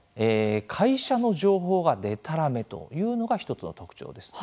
会社の情報が、でたらめというのが１つの特徴です。